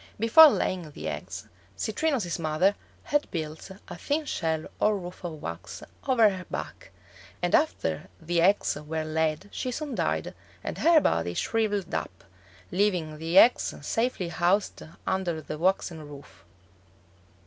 Before laying the eggs, Citrinus's mother had built a thin shell or roof of wax over her back, and after the eggs were laid she soon died and her body shriveled up, leaving the eggs safely housed under the waxen roof.